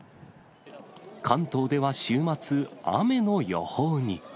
関東では週末、雨の予報に。